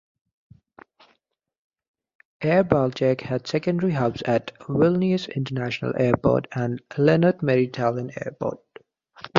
AirBaltic had secondary hubs at Vilnius International Airport and Lennart Meri Tallinn Airport.